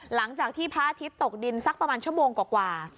หลังจากที่พระอาทิตย์ตกดินสักประมาณชั่วโมงกว่า